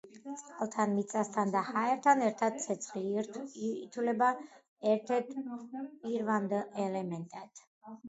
წყალთან, მიწასთან და ჰაერთან ერთად ცეცხლი ითვლება ერთ-ერთ პირვანდელ ელემენტად.